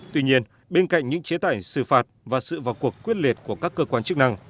tuy nhiên bên cạnh những chế tải xử phạt và sự vào cuộc quyết liệt của các cơ quan chức năng